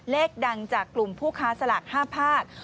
เลขดังจากกลุ่มผู้ค้าสลาก๕ภาค